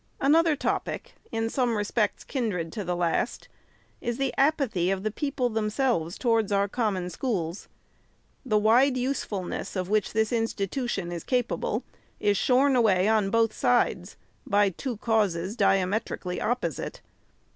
Another topic, in some respects kindred to the last, is the apathy of the people themselves towards our Common Schools. The wide usefulness of which this institution is capable is shorn away on both sides, FIRST ANNUAL REPORT. 409 by two causes diametrically opposite.